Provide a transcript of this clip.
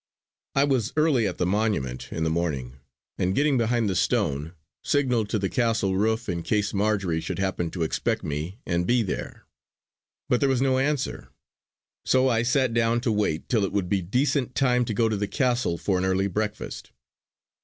I was early at the monument in the morning, and getting behind the stone signalled to the Castle roof in case Marjory should happen to expect me and be there. But there was no answer. So I sat down to wait till it would be decent time to go to the Castle for an early breakfast.